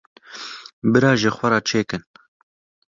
bira ji xwe re çê kin.